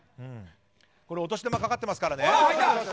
お年玉かかってますからね。